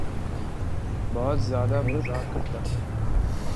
بہت زیادہ مزاح کرتا ہوں